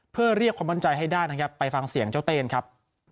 เพื่อเรียกความมั่นใจให้ได้นะครับไปฟังเสียงเจ้าเต้นครับ